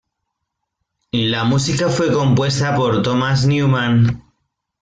La música fue compuesta por Thomas Newman.